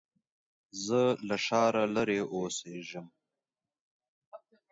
زه له ښاره لرې اوسېږم.